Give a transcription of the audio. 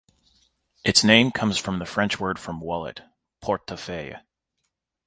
Its name comes from the French word for wallet: "portefeuille".